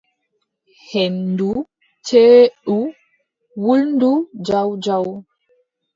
Henndu ceeɗu wulndu jaw jaw.